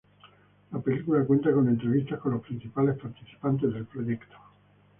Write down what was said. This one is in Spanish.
La película cuenta con entrevistas con los principales participantes del proyecto.